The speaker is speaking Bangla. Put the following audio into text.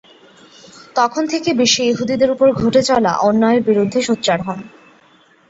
তখন থেকে বিশ্বে ইহুদিদের ওপর ঘটে চলা অন্যায়ের বিরুদ্ধে সোচ্চার হন।